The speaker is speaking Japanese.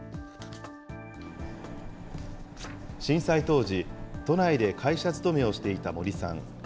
震災当時、都内で会社勤めをしていた森さん。